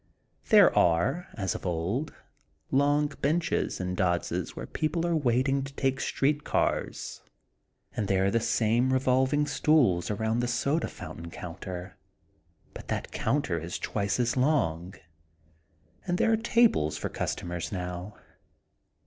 There are as of old long benches in Dodds ' where people are waiting to take street cars and there are the same revolving stools along the soda fountain counter but that counter is twice as long and there are tables for customers now.